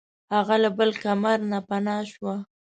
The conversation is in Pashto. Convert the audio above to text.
هغه له بل کمر نه پناه شوه.